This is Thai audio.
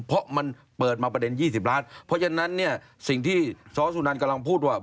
เพราะมันเปิดมาประเด็น๒๐ล้านเพราะฉะนั้นเนี่ยสิ่งที่สสุนันกำลังพูดว่า